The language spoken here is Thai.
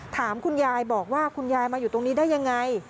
ถามคุณยายบอกว่าคุณยายมาอยู่ตรงนี้ได้ยังไง